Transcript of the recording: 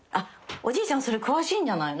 おじいちゃんそれ詳しいんじゃないの？